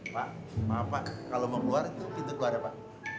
pak maaf pak kalau mau keluar titik dulu aja pak